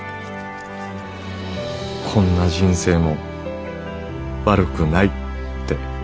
「こんな人生も悪くないって」。